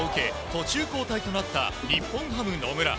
途中交代となった日本ハム、野村。